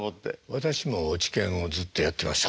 私も落研をずっとやってました。